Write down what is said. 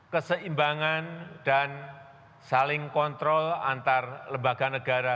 keseimbangan dan saling kontrol antar lembaga negara